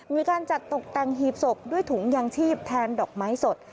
มีการจัดตกแต่งหีบศพด้วยถุงยางชีพแทนดอกไม้สด